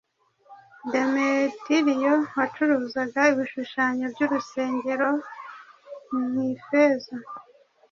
Demetiriyo wacuraga ibishushanyo by’urusengero mu ifeza,